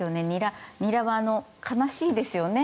ニラは悲しいですよね。